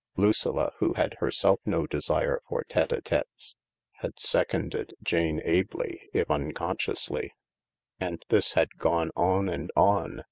Lucilla, who had herself no desire iortite A tetes t had seconded Jane ably, if unconsciously. And this had gone on and on.